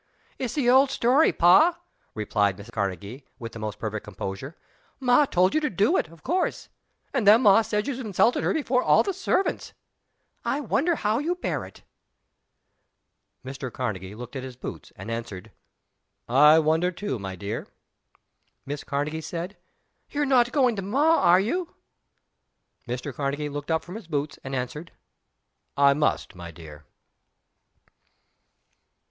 "It's the old story, Pa," remarked Miss Karnegie, with the most perfect composure. "Ma told you to do it, of course; and then Ma says you've insulted her before all the servants. I wonder how you bear it?" Mr. Karnegie looked at his boots, and answered, "I wonder, too, my dear." Miss Karnegie said, "You're not going to Ma, are you?" Mr. Karnegie looked up from his boots, and answered, "I must, my dear."